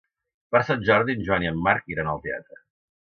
Per Sant Jordi en Joan i en Marc iran al teatre.